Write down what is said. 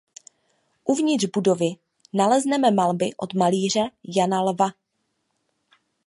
Uvnitř budovy nalezneme malby od malíře Jana Lva.